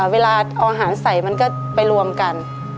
เวลาเอาอาหารใส่มันก็ไปรวมกัน